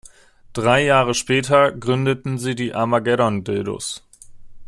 Drei Jahre später gründeten sie die Armageddon Dildos.